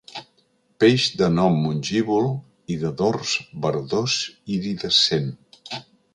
Peix de nom mongívol i de dors verdós iridescent.